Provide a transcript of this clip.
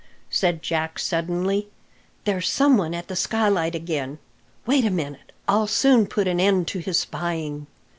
said Jack suddenly; "there's some one at the skylight again. Wait a minute I'll soon put an end to his spying."